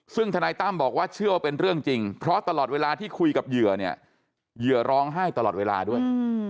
ซึ่งธนายตั้มบอกว่าเชื่อว่าเป็นเรื่องจริงเพราะตลอดเวลาที่คุยกับเหยื่อเนี่ยเหยื่อร้องไห้ตลอดเวลาด้วย